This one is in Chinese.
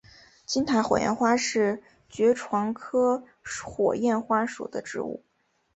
金塔火焰花是爵床科火焰花属的植物。